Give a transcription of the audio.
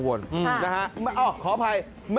ขอโทษครับ